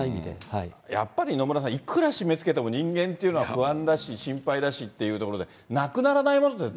やっぱり野村さん、いくらしめつけても人間っていうのは不安だし、心配だしっていうところで、なくならないわけですよね。